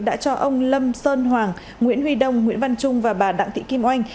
đã cho ông lâm sơn hoàng nguyễn huy đông nguyễn văn trung và bà đặng thị kim oanh